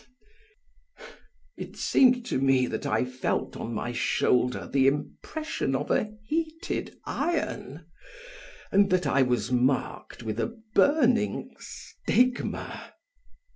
It seemed to me that I felt on my shoulder the impression of a heated iron and that I was marked with a burning stigma.